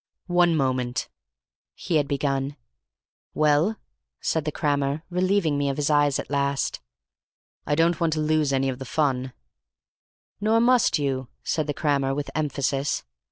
"One moment!" he had begun. "Well?" said the crammer, relieving me of his eyes at last. "I don't want to lose any of the fun—" "Nor must you," said the crammer, with emphasis.